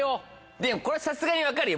でもこれはさすがに分かるよ